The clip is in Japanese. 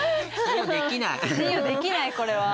信用できないこれは。